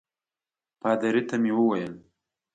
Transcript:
پادري ته مې وویل.